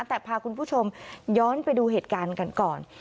แต่พาคุณผู้ชมย้อนไปดูเหตุการณ์กันก่อน